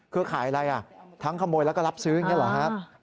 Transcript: คือขายอะไรทั้งขโมยแล้วก็รับซื้ออย่างนี้เหรอครับ